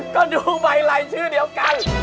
ก็ดูใบลายชื่อเดียวกัน